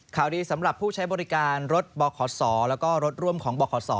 ข่าวดีสำหรับผู้ใช้บริการรถบขศแล้วก็รถร่วมของบขศ